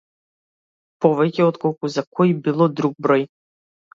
Повеќе отколку за кој било друг број.